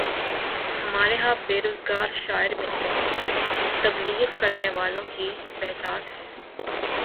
ہمارے ہاں بے روزگار شاعر ملتے ہیں، تبلیغ کرنے والوں کی بہتات ہے۔